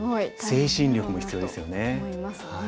精神力も必要ですよね。